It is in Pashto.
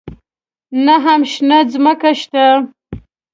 نه هم شنه ځمکه شته.